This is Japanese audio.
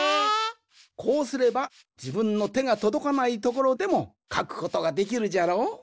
こうすればじぶんのてがとどかないところでもかくことができるじゃろう？